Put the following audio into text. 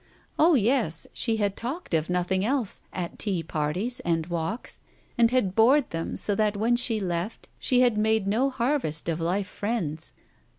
Oh, yes, she had talked of nothing else at tea parties and walks, and had bored them so that when she left she had made no harvest of life friends.